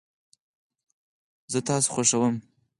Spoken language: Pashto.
زه تاسو خوښوم